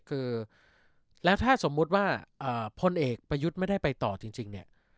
คือแล้วถ้าสมมุติว่าพลเอกประยุทธ์ไม่ได้ไปต่อจริงเนี่ย